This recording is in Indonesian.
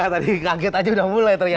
tadi kaget aja udah mulai terlihat